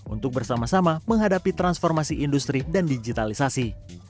untuk bersama sama menghadapi transformasi industri dan digitalisasi